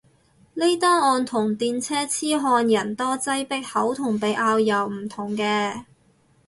呢單案同電車痴漢人多擠迫口同鼻拗又唔同嘅